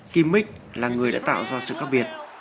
kim mích là người đã tạo ra sự khác biệt